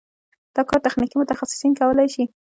دا کار تخنیکي متخصصین کولی شي.